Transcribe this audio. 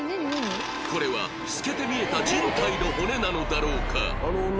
これは透けて見えた人体の骨なのだろうか？